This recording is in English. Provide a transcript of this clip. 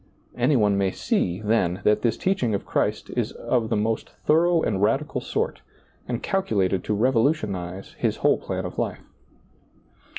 Any one may see, then, that this teaching of Christ is of the most thorough and radical sort, and calculated to revolutionize ^lailizccbvGoOgle 5fl SEEING DARKLY his whole plan of life.